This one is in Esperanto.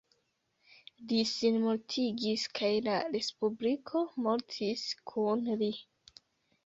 Li sinmortigis kaj la Respubliko mortis kun li.